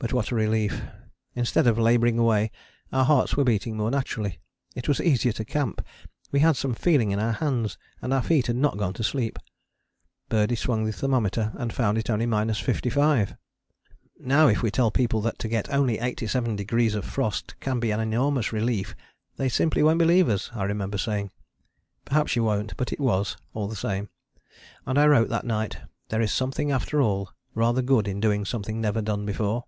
But what a relief. Instead of labouring away, our hearts were beating more naturally: it was easier to camp, we had some feeling in our hands, and our feet had not gone to sleep. Birdie swung the thermometer and found it only 55°. "Now if we tell people that to get only 87 degrees of frost can be an enormous relief they simply won't believe us," I remember saying. Perhaps you won't but it was, all the same: and I wrote that night: "There is something after all rather good in doing something never done before."